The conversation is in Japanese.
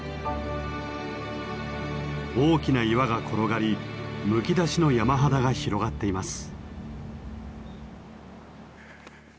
大きな岩が転がりむき出しの山肌が広がっています。